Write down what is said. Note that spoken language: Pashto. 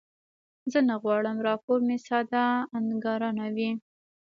زه نه غواړم راپور مې ساده انګارانه وي.